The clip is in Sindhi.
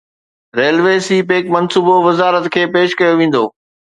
ريلوي سي پيڪ منصوبو وزارت کي پيش ڪيو ويندو